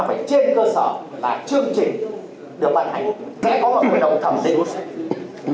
vậy trên cơ sở là chương trình được bản hành sẽ có một hội đồng thẩm định